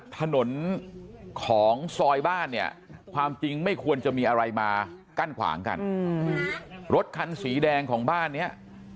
ถนนของซอยบ้านเนี่ยความจริงไม่ควรจะมีอะไรมากั้นขวางกันรถคันสีแดงของบ้านเนี่ย